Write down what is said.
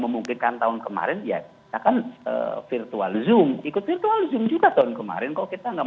kemungkinan ini pemanasan dulu nih warming up